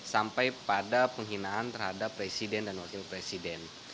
sampai pada penghinaan terhadap presiden dan wakil presiden